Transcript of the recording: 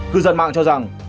cư dân mạng cho rằng